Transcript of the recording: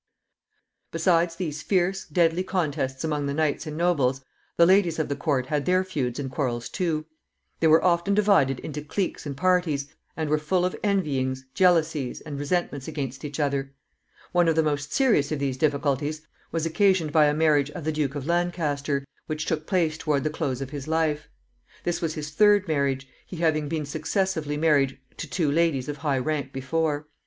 Besides these fierce, deadly contests among the knights and nobles, the ladies of the court had their feuds and quarrels too. They were often divided into cliques and parties, and were full of envyings, jealousies, and resentments against each other. One of the most serious of these difficulties was occasioned by a marriage of the Duke of Lancaster, which took place toward the close of his life. This was his third marriage, he having been successively married to two ladies of high rank before.